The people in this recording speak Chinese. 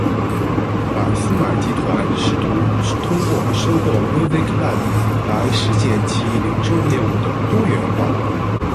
百思买集团试图通过收购 Musicland 来实现其零售业务的多元化。